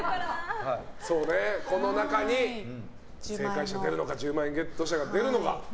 この中に正解者が出るのか１０万円ゲット者が出るのか。